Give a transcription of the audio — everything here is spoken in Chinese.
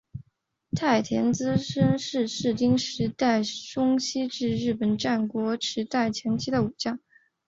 太田资清是室町时代中期至日本战国时代前期的武将。